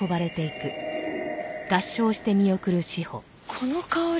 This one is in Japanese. この香り。